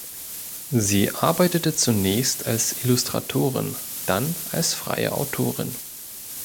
Sie arbeitete zunächst als Illustratorin, dann als freie Autorin.